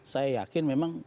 saya yakin memang